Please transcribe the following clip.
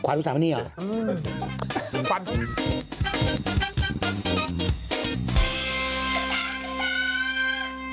ขวัญภาวะนี่เหรอ